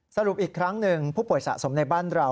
สรุปอีกครั้งหนึ่งผู้ป่วยสะสมในบ้านเรา